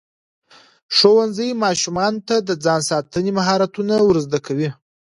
ښوونځی ماشومانو ته د ځان ساتنې مهارتونه ورزده کوي.